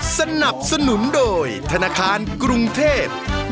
สนับสนุนโดยธนาคารกรุงเทพ